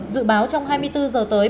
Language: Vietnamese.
dự báo trong hai mươi bốn h tới